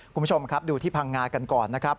คุณผู้ชมครับดูที่พังงากันก่อนนะครับ